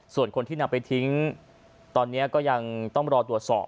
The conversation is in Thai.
ส่วนคนที่นำไปทิ้งตอนนี้ก็ยังต้องรอตรวจสอบ